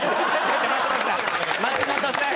松本さん。